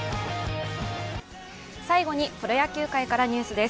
最後にプロ野球界からニュースです。